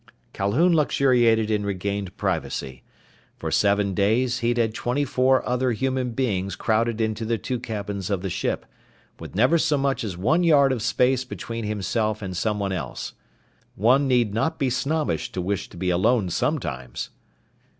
Calhoun luxuriated in regained privacy. For seven days he'd had twenty four other human beings crowded into the two cabins of the ship, with never so much as one yard of space between himself and someone else. One need not be snobbish to wish to be alone sometimes!